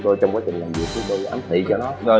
nói chung là cũng có một cái gì đó